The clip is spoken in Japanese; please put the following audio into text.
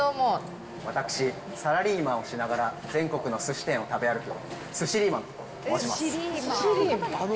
私、サラリーマンをしながら、全国のすし店を食べ歩く、寿司リーマンと申します。